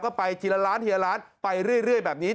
ก็ไปทีละล้านทีละล้านไปเรื่อยแบบนี้